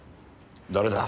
誰だ？